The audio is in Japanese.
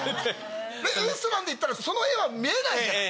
レストランに行ったらその画は見えないじゃない。